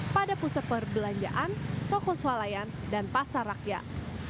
pada pusat perbelanjaan toko swalayan dan pasar rakyat